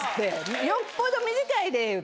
よっぽど短いで言うて。